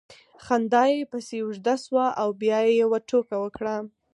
خندا یې پسې اوږده سوه او بیا یې یوه ټوکه وکړه